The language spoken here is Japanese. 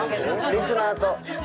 リスナーと。